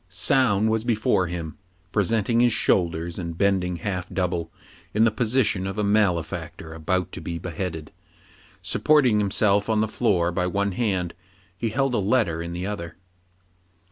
Soun was before him, presenting his shoulders, and bending half double in the position of a male factor about to be beheaded. Supporting himself on the floor by one hand, he held a letter in the other.